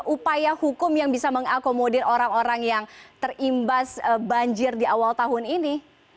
upaya hukum yang bisa mengakomodir orang orang yang terimbas banjir di awal tahun ini